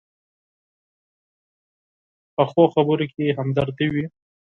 پخو خبرو کې همدردي وي